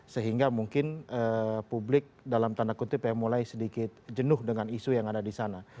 sehingga mungkin publik dalam tanda kutip ya mulai sedikit jenuh dengan isu yang ada di sana